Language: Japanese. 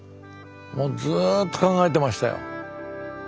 もうずっと考えてましたよ。